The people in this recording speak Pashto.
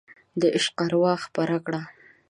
د عشق اروا خپره کړئ